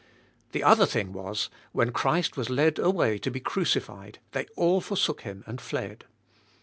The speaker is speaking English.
The other thing was, when Christ was led away to be crucified they all forsook Him and fied.